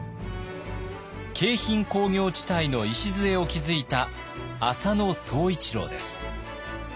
京浜工業地帯の礎を築いた浅野総一郎です。